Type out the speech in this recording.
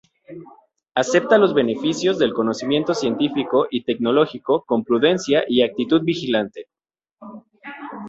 Acepta los beneficios del conocimiento científico y tecnológico con prudencia y actitud vigilante.